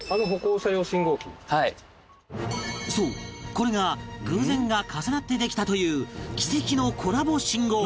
そうこれが偶然が重なってできたという奇跡のコラボ信号機